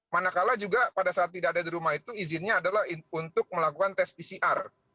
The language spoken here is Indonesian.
manakala juga pada saat tidak ada di rumah itu izinnya adalah untuk melakukan tes pcr